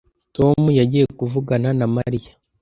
Tom yagiye kuvugana na Mariya